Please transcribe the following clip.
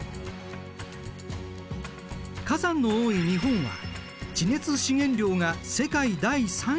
火山の多い日本は地熱資源量が世界第３位だといわれている。